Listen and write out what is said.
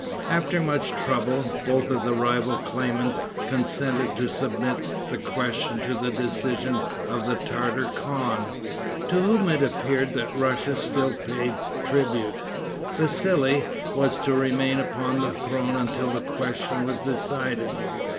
After much trouble, both of the rival claimants consented to submit the question to the decision of the Tartar khan, to whom it appears that Russia still paid tribute. Vassali was to remain upon the throne until the question was decided.